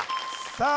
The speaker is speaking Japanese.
さあ